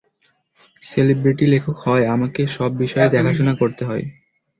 Celebrity লেখক হওয়ায় আমাকে সব বিষয়েই দেখাশোনা করতে হয়।